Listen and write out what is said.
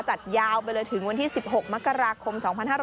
จัดยาวไปเลยถึงวันที่๑๖มกราคม๒๕๖๐